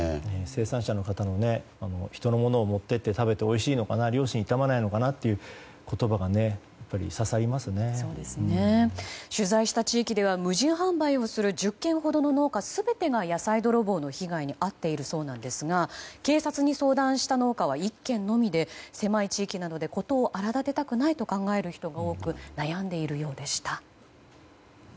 生産者の方の人のものを持って行って食べておいしいのかな良心痛まないのかなという言葉が取材した地域では無人販売をする１０軒ほどの農家全てが野菜窃盗の被害に遭っていて警察に相談した農家は１軒のみで狭い地域なので事を荒立てたくないと考える人が多く悩んでいるようでした。